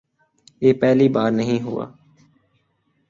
یہ پہلی بار نہیں ہوا۔